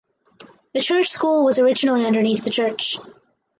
The Church school was originally underneath the church.